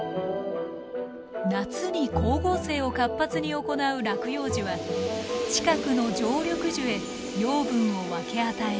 夏に光合成を活発に行う落葉樹は近くの常緑樹へ養分を分け与える。